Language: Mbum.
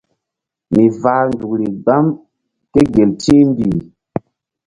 Mi vah nzukri gbam ké gel ti̧hmbih.